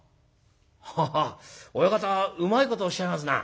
「ハハッ親方うまいことおっしゃいますな」。